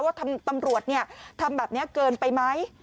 ว่าทำตำรวจเนี่ยทำแบบนี้เกินไปไหม